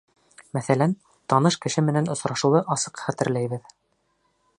Мәҫәлән, таныш кеше менән осрашыуҙы асыҡ хәтерләйбеҙ.